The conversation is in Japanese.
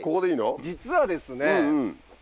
実はですね。